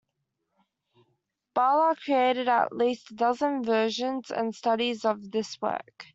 Balla created at least a dozen versions and studies of this work.